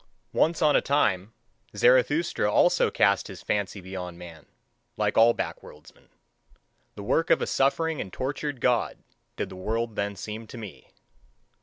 Once on a time, Zarathustra also cast his fancy beyond man, like all backworldsmen. The work of a suffering and tortured God, did the world then seem to me.